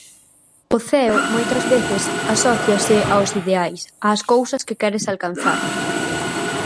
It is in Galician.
O ceo moitas veces asóciase aos ideais, ás cousas que queres alcanzar.